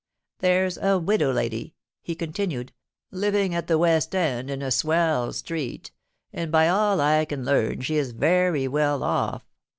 —'There's a widow lady,' he continued, 'living at the West End, in a swell street; and, by all I can learn, she is very well off.